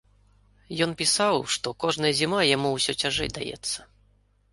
Ён пісаў, што кожная зіма яму ўсё цяжэй даецца.